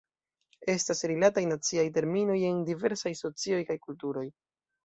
Estas rilataj naciaj terminoj en diversaj socioj kaj kulturoj.